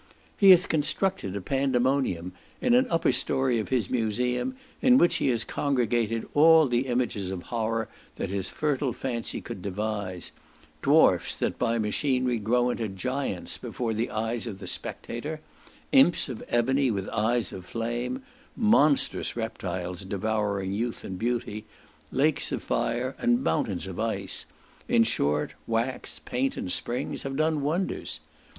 He has constructed a pandaemonium in an upper story of his museum, in which he has congregated all the images of horror that his fertile fancy could devise; dwarfs that by machinery grow into giants before the eyes of the spectator; imps of ebony with eyes of flame; monstrous reptiles devouring youth and beauty; lakes of fire, and mountains of ice; in short, wax, paint and springs have done wonders.